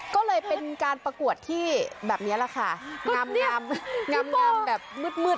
ก็เลยเป็นการประกวดที่แบบเนี้ยแหละค่ะงำง้ำงำง้ำแบบมืดมืด